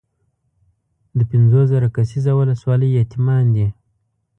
د پنځوس زره کسیزه ولسوالۍ یتیمان دي.